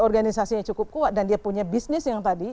organisasi yang cukup kuat dan dia punya bisnis yang tadi